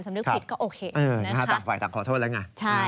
สำนึกผิดก็โอเคนะครับใช่ถูกต้อง